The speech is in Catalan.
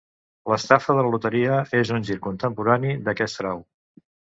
L'estafa de la loteria és un gir contemporani d'aquest frau.